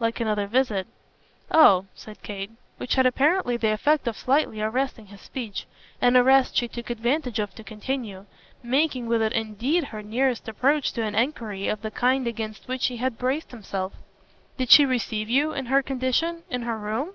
"Like another visit." "Oh!" said Kate. Which had apparently the effect of slightly arresting his speech an arrest she took advantage of to continue; making with it indeed her nearest approach to an enquiry of the kind against which he had braced himself. "Did she receive you in her condition in her room?"